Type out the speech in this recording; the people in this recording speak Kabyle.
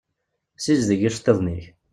Sizdeg iceṭṭiḍen-ik.